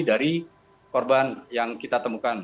dari korban yang kita temukan